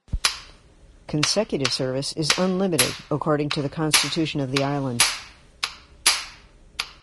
Consecutive service is unlimited, according to the Constitution of the Island.